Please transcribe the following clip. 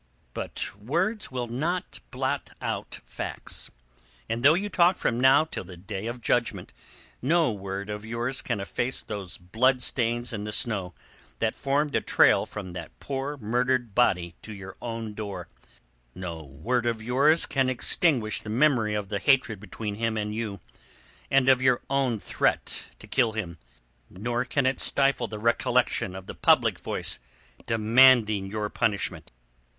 But words will not blot out facts. And though you talk from now till the day of judgment no word of yours can efface those bloodstains in the snow that formed a trail from that poor murdered body to your own door; no word of yours can extinguish the memory of the hatred between him and you, and of your own threat to kill him; nor can it stifle the recollection of the public voice demanding your punishment.